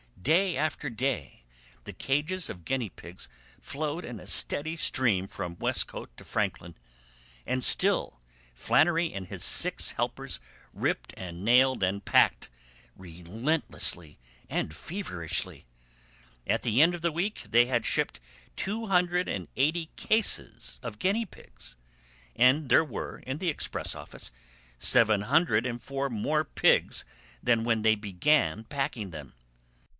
Day after day the cages of guineapigs flowed in a steady stream from Westcote to Franklin, and still Flannery and his six helpers ripped and nailed and packed relentlessly and feverishly. At the end of the week they had shipped two hundred and eighty cases of guinea pigs, and there were in the express office seven hundred and four more pigs than when they began packing them.